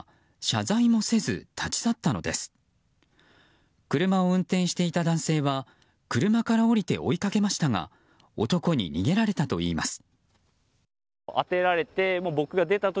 車を運転していた男性は車から降りて追いかけましたが男に逃げられたといいます。